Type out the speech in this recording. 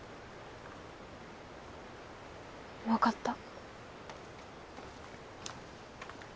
分かった。